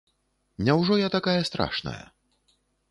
Няўжо я такая страшная?!